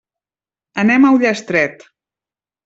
Anem a Ullastret.